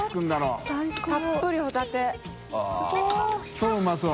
超うまそう。